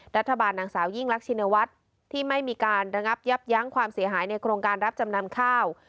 นางสาวยิ่งรักชินวัฒน์ที่ไม่มีการระงับยับยั้งความเสียหายในโครงการรับจำนำข้าว